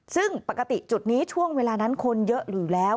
ซึ่งปกติจุดนี้ช่วงเวลานั้นคนเยอะอยู่แล้ว